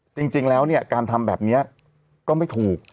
จริงแล้วเนี่ยการทำแบบนี้ก็ไม่ถูก